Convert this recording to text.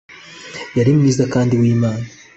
Yari mwiza kandi wimana